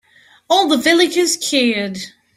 All the villagers cheered.